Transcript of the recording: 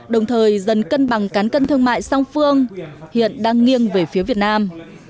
đồng thời dần cân bằng cán cân thương mại song phương hiện đang nghiêng về phía việt nam